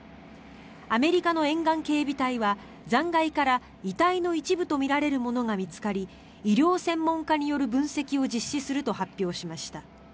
アメリカの沿岸警備隊は残骸から遺体の一部とみられるものが見つかり医療専門家による分析を実施すると発表しました。